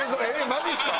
マジっすか？